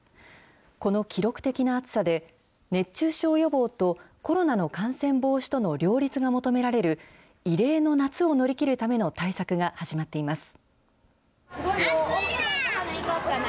この記録的な暑さで、熱中症予防と、コロナの感染防止との両立が求められる異例の夏を乗り切るための対策が始まっています。